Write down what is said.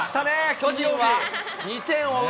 巨人は２点を追う